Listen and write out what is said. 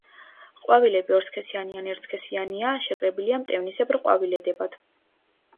ყვავილები ორსქესიანი ან ერთსქესიანია; შეკრებილია მტევნისებრ ყვავილედებად.